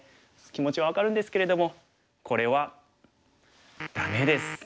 気持ちは分かるんですけれどもこれはダメです。